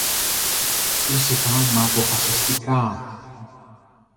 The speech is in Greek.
Ήσυχα, μα αποφασιστικά